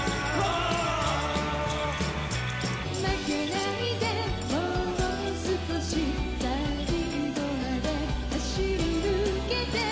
「負けないでもう少し最後まで走り抜けて」